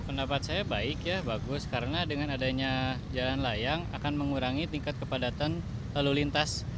pendapat saya baik ya bagus karena dengan adanya jalan layang akan mengurangi tingkat kepadatan lalu lintas